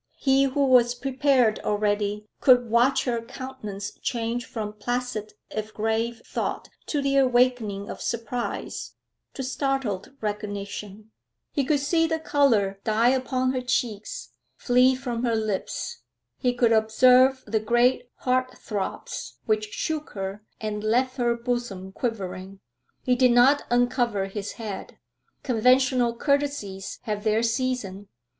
He, who was prepared already, could watch her countenance change from placid, if grave, thought, to the awakening of surprise, to startled recognition; he could see the colour die upon her cheeks, flee from her lips; he could observe the great heartthrobs which shook her and left her bosom quivering. He did not uncover his head; conventional courtesies have their season.